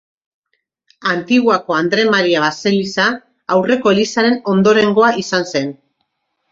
Antiguako Andre Maria baseliza aurreko elizaren ondorengoa izan zen.